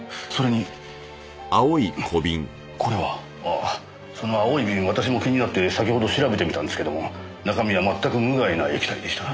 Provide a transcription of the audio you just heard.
ああその青い瓶私も気になって先ほど調べてみたんですけども中身はまったく無害な液体でした。